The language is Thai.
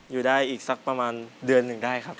อยู่ได้สักประมาณ๑ได้ครับ